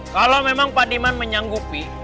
kalau memang pak diman menyanggupi